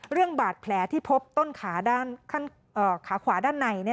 เรื่องบาดแผลที่พบต้นขาขวาด้านใน